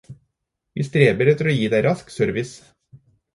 Vi streber etter å gi deg rask service.